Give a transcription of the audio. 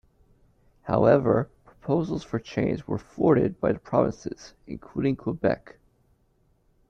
However, proposals for change were thwarted by the provinces, including Quebec.